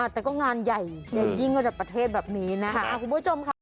แต่ก็งานใหญ่ใหญ่ยิ่งก็แบบประเทศแบบนี้นะคะ